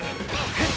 フッ！